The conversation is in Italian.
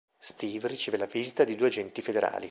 Steve riceve la visita di due agenti federali.